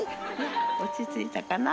落ち着いたかな？